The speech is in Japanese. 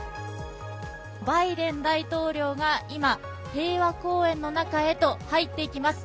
バイデン大統領が今、平和公園の中へと入っていきます。